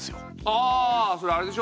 あそれあれでしょ？